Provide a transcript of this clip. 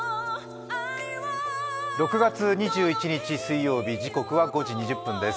６月２１日水曜日、時刻は５時２０分です。